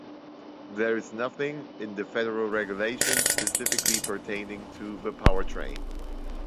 There is nothing in the federal regulations specifically pertaining to the powertrain.